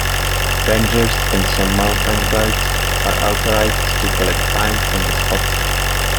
Rangers and some mountain guides are authorized to collect fines on the spot.